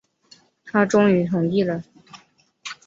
他终于同意了